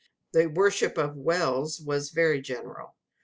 The worship of wells was very general.